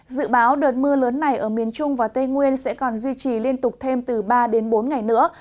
dự báo đợt mưa lớn này ở miền trung và tây nguyên sẽ còn duy trì liên tục thêm từ ba đến bốn ngày nữa